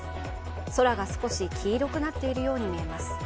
空が少し黄色くなっているように見えます。